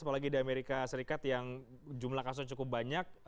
apalagi di amerika serikat yang jumlah kasusnya cukup banyak